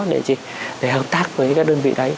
để hợp tác với các đơn vị đấy